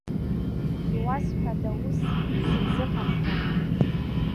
Иуазҳәада ус сизыҟам ҳәа?!